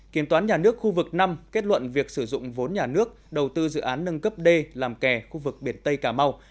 kiểm toán nhà nước khu vực năm kết luận việc sử dụng vốn nhà nước đầu tư dự án nâng cấp d làm kè khu vực biển tây cà mau